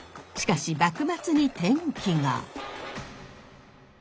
しかし幕末に転機が。